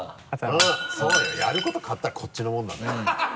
そうよやること変わったらこっちのもんだぜ。